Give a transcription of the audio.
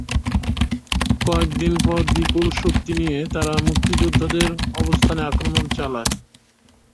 কয়েক দিন পর বিপুল শক্তি নিয়ে তারা মুক্তিযোদ্ধাদের অবস্থানে আক্রমণ চালায়।